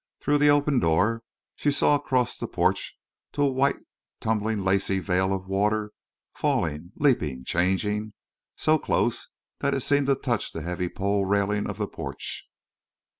Through the open door she saw across the porch to a white tumbling lacy veil of water falling, leaping, changing, so close that it seemed to touch the heavy pole railing of the porch.